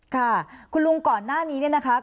ค่ะคุณลุงก่อนหน้านี้เนี่ยนะคะ